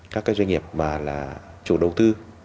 các cái doanh nghiệp mà là chủ đầu tư